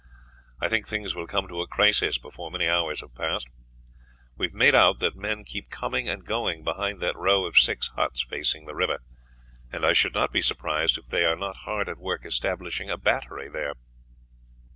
I think things will come to a crisis before many hours have passed. We have made out that men keep coming and going behind that row of six huts facing the river, and I should not be surprised if they are not hard at work establishing a battery there."